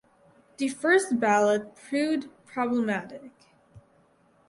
The first ballot proved problematic.